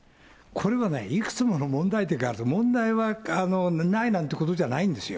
これはね、いくつもの問題点があると、問題はないなんてことじゃないんですよ。